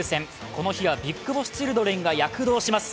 この日はＢＩＧＢＯＳＳチルドレンが躍動します。